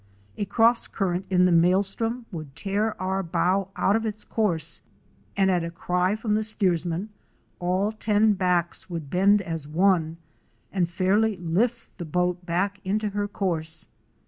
A cross current in the maelstrom would tear our bow out of its course, and at a cry from the steersman, all ten backs would bend as one and fairly lift the boat back into her course.